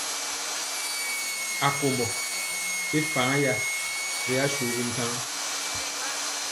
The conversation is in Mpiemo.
Akombɔ i faŋ ya ri ashu bintaŋa.